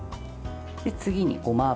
次に、ごま油。